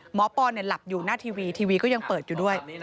ปอนหลับอยู่หน้าทีวีทีวีก็ยังเปิดอยู่ด้วย